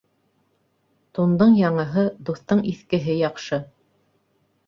Тундың яңыһы, дуҫтың иҫкеһе яҡшы.